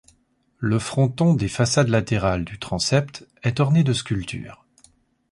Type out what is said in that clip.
Le fronton des façades latérales du transept est orné de sculptures.